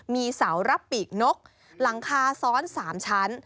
มีเสารับปีกนกหลังคาซ้อน๓ชั้น